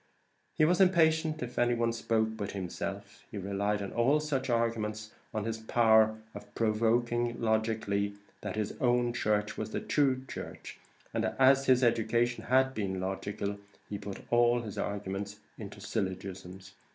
He was impatient if any one spoke but himself. He relied in all such arguments on his power of proving logically that his own church was the true church, and as his education had been logical, he put all his arguments into syllogisms.